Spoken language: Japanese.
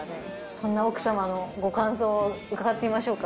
そんな奥様のご感想を伺ってみましょうか。